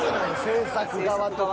制作側とか。